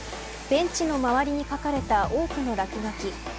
ベンチの周りに書かれた多くの落書き。